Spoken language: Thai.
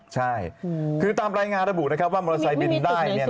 ใช่คือตามรายงานระบุว่ามอเตอร์ไซค์บินได้